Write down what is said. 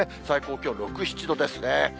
最高気温６、７度ですね。